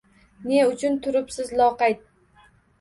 Ne uchun turibsiz loqayd?